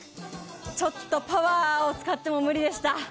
ちょっと、パワーを使っても無理でした。